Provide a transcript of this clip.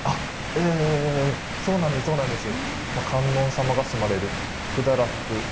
ええええそうなんですそうなんです。